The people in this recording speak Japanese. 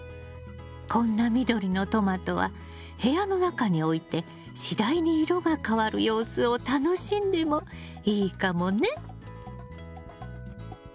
こんな緑のトマトは部屋の中に置いて次第に色が変わる様子を楽しんでもいいかもね。